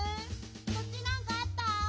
そっちなんかあった？